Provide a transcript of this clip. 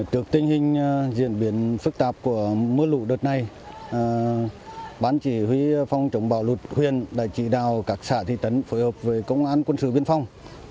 hình hình diễn biến phức tạp của mưa lụ đợt này bán chỉ huy phong trọng bảo luật huyện đã chỉ đào các xã thi tấn phối hợp với công an quân sự biên phong